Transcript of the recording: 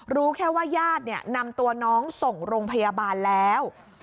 รู้แค่ว่าญาตินำตัวน้องส่งโรงพยาบาลแล้ว